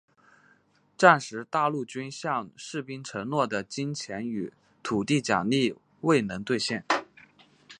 战时大陆军向士兵承诺的金钱与土地奖励未能兑现。